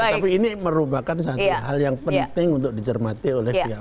tapi ini merupakan satu hal yang penting untuk dicermati oleh pihak pihak